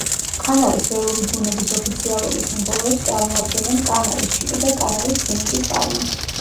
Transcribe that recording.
კანარის ველური ბუნების ოფიციალური სიმბოლოებს წარმოადგენენ: კანარის ჩიტი და კანარის ფინიკის პალმა.